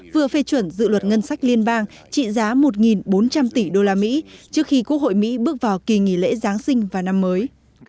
vừa phê chuẩn dự luật ngân sách liên bang trị giá một bốn trăm linh tỷ usd trước khi quốc hội mỹ bước vào kỳ nghỉ lễ giáng sinh và năm mới